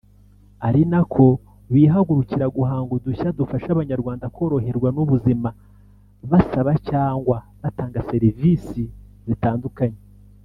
ari nako bihagurukira guhanga udushya dufasha Abanyarwanda koroherwa n’ubuzima basaba cyangwa batanga serivisi zitandukanye